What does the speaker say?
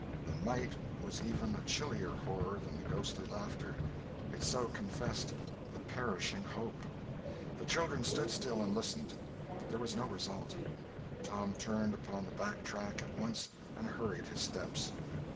The "might" was even a chillier horror than the ghostly laughter, it so confessed a perishing hope. The children stood still and listened; but there was no result. Tom turned upon the back track at once, and hurried his steps.